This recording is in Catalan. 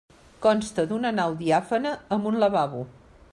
Consta d'una nau diàfana amb un lavabo.